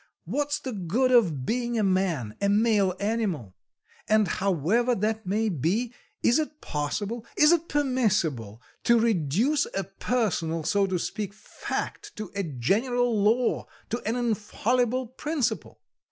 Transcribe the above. What's the good of being a man, a male animal? And however that may be, is it possible, is it permissible, to reduce a personal, so to speak, fact to a general law, to an infallible principle?"